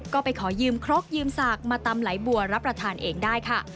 ก็ไปขอยืมครกยืมสากมาตำไหลบัวรับประทานเองได้ค่ะ